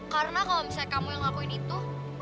karena kalau misalnya kamu yang ngelakuin itu